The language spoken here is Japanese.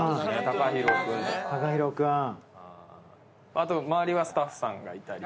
あと周りはスタッフさんがいたり。